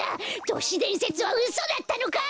都市伝説はうそだったのか？